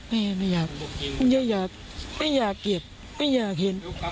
แม่ไม่อยากเงียบไม่อยากเห็น